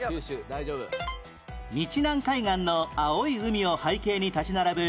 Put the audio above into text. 日南海岸の青い海を背景に立ち並ぶ